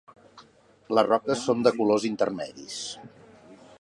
Les roques són de colors intermedis.